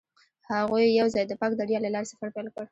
هغوی یوځای د پاک دریا له لارې سفر پیل کړ.